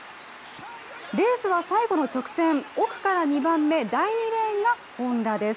レースは最後の直線、奥から２番目、第２レーンが本多です。